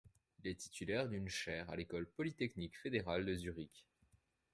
Il est titulaire d'une chaire à l'École polytechnique fédérale de Zurich.